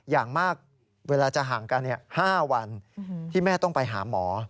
อย่างมากเวลาจะห่างกัน๕วันที่แม่ต้องไปหาหมอ